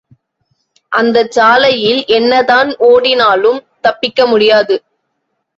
அந்தச் சாலையில் என்னதான் ஓடினாலும் தப்பிக்க முடியாது.